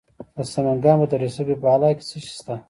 د سمنګان په دره صوف بالا کې څه شی شته؟